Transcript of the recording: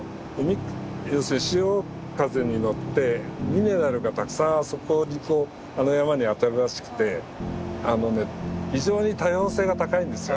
要するに潮風に乗ってミネラルがたくさんあそこにこうあの山にあたるらしくて非常に多様性が高いんですよ